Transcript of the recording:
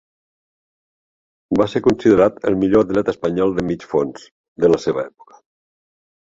Va ser considerat el millor atleta espanyol de mig fons de la seva època.